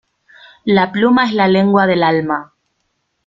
La pluma es la lengua del alma.